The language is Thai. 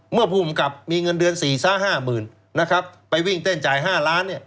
ผู้กำกับมีเงินเดือน๔๕๐๐๐นะครับไปวิ่งเต้นจ่าย๕ล้าน